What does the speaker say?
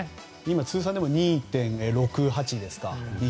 通算でも２．６８ですね。